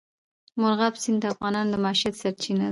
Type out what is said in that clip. مورغاب سیند د افغانانو د معیشت سرچینه ده.